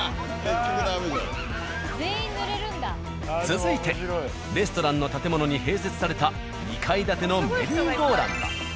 続いてレストランの建物に併設された２階建てのメリーゴーランド。